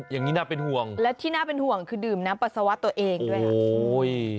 อย่างนี้หน้าเป็นห่วงแล้วได้ยิ่งน้ำปัสวะตัวเองด้วย